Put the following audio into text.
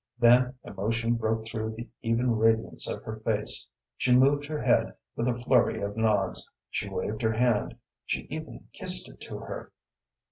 Then emotion broke through the even radiance of her face. She moved her head with a flurry of nods; she waved her hand; she even kissed it to her.